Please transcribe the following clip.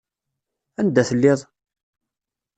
Anda telliḍ?